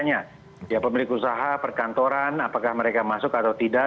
ya pemilik usaha perkantoran apakah mereka masuk atau tidak